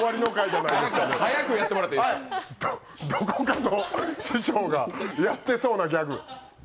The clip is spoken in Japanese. どこかの師匠がやってそうなギャグ。